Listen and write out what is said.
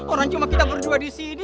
orang cuma kita berdua di sini